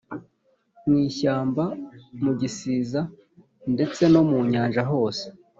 mu ishyamba mu gisiza; ndetse no mu nyanja hose